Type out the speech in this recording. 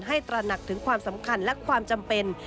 ตระหนักถึงความสำคัญและความจำเป็น